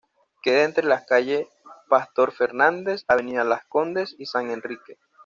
Queda entre las calles Pastor Fernández, Avenida Las Condes y San Enrique.